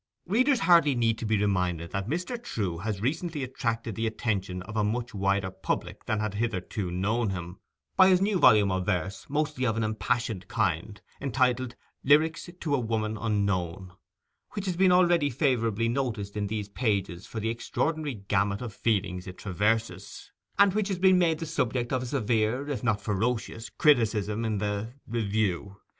Readers hardly need to be reminded that Mr. Trewe has recently attracted the attention of a much wider public than had hitherto known him, by his new volume of verse, mostly of an impassioned kind, entitled "Lyrics to a Woman Unknown," which has been already favourably noticed in these pages for the extraordinary gamut of feeling it traverses, and which has been made the subject of a severe, if not ferocious, criticism in the —— Review.